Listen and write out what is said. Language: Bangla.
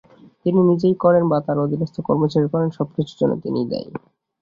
তিনি নিজেই করেন বা তার অধীনস্থ কর্মচারীরা করেন, সবকিছুর জন্যে তিনিই দায়ী।